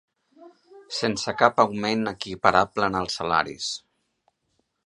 Sense cap augment equiparable en els salaris